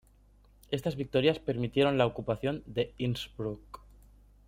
Estas victorias permitieron la ocupación de Innsbruck.